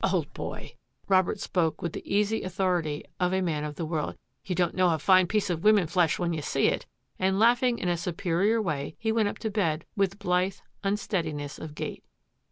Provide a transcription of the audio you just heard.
" Old boy," Robert spoke with the easy authority of a man of the world, " you don't know a fine piece of woman flesh when you see it," and laugh ing in a superior way, he went up to bed with blithe unsteadiness of gait.